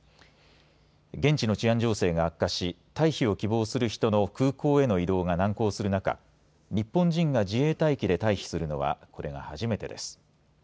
現地の治安情勢が悪化し、退避を希望する人の空港への移動が難航する中、日本人が自衛隊機で退避するのはこれが初めてです。